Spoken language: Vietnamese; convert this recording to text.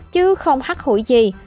chứ không hắc hủi gì